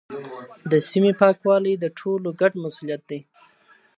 د سیمې پاکوالی د ټولو ګډ مسوولیت دی.